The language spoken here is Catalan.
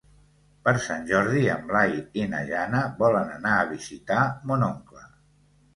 Per Sant Jordi en Blai i na Jana volen anar a visitar mon oncle.